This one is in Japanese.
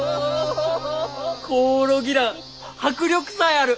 コオロギラン迫力さえある！